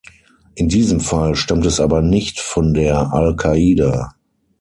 In diesem Fall stammt es aber nicht von der Al-Qaida.